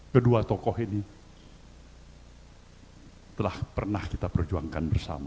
kedua tokoh ini telah pernah kita perjuangkan bersama